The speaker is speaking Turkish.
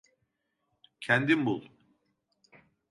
Kendin bul.